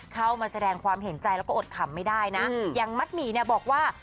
เข้ามาแสดงความเห็นใจแล้วก็อดขำไม่ได้นะอย่างมัดหมี่เนี่ยบอกว่า